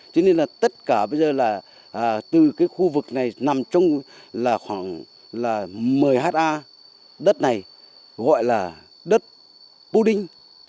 cho nên tất cả bây giờ là từ khu vực này nằm trong khoảng một mươi ha đất này gọi là đất pu đinh